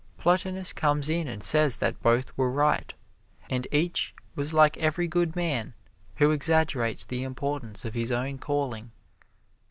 Plotinus comes in and says that both were right, and each was like every good man who exaggerates the importance of his own calling.